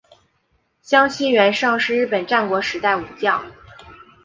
香西元盛是日本战国时代武将。